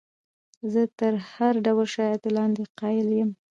زه تر هر ډول شرایطو لاندې قایل یم.